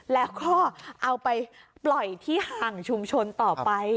แล้วก็เอาไปปล่อยที่ห่างชุมชนต่อไป